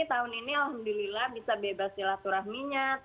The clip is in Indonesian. tahun ini alhamdulillah bisa bebas silat turahmi